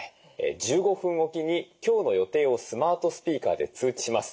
１５分おきに今日の予定をスマートスピーカーで通知します。